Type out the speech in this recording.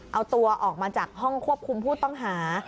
เอาตัวออกมาจากห้องควบคุมผู้ต้องหา